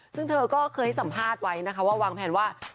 ซึ่งเธอก็เคยให้สัมภาษณ์ไว้นะคะว่าวางแผนว่า